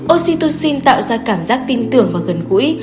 oxytocin tạo ra cảm giác tin tưởng và gần gũi